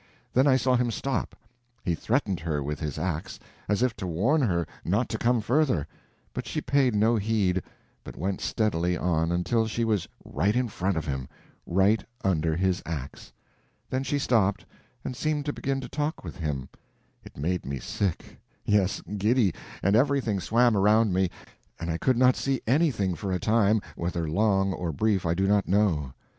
Then I saw him stop. He threatened her with his ax, as if to warn her not to come further, but she paid no heed, but went steadily on, until she was right in front of him—right under his ax. Then she stopped, and seemed to begin to talk with him. It made me sick, yes, giddy, and everything swam around me, and I could not see anything for a time—whether long or brief I do not know.